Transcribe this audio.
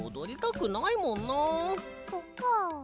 そっかあ。